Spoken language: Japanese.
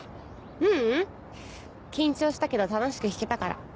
ううん緊張したけど楽しく弾けたから。